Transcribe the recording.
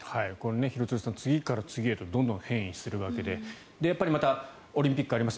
廣津留さん、次から次へとどんどん変異するわけでやっぱりオリンピックがあります